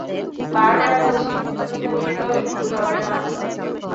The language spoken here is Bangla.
বার বার বলছি, কিন্তু তুমি শুধরাবে না।